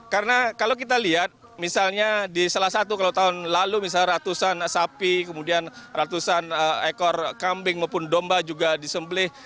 karena kalau kita lihat misalnya di salah satu kalau tahun lalu misalnya ratusan sapi kemudian ratusan ekor kambing maupun domba juga disembeli